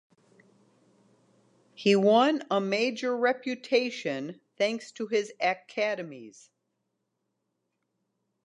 He won a major reputation thanks to his academies.